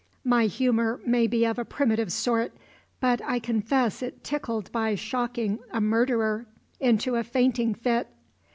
"My humour may be of a primitive sort, but I confess it tickled by shocking a murderer into a fainting fit."